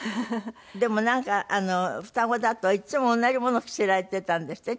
でもなんか双子だといつも同じもの着せられていたんですって？